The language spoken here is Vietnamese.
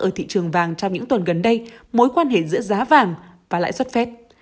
ở thị trường vàng trong những tuần gần đây mối quan hệ giữa giá vàng và lãi xuất fed